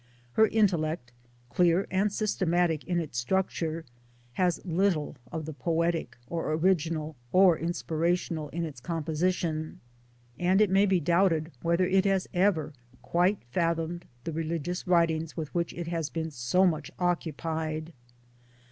Her intellect, clear and systematic in its structure, has little of the poetic or original or inspirational in its composition, and it may be doubted whether it has ever quite fathomed the religious writings with which it has been so much occupied.